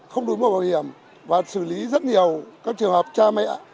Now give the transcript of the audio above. không đối mục bảo hiểm và xử lý rất nhiều các trường hợp cha mẹ